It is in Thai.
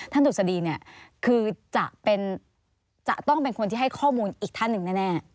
ดุษฎีเนี่ยคือจะต้องเป็นคนที่ให้ข้อมูลอีกท่านหนึ่งแน่